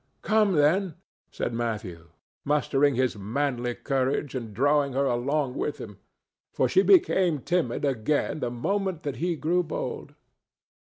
"Come, then," said Matthew, mustering his manly courage and drawing her along with him; for she became timid again the moment that he grew bold.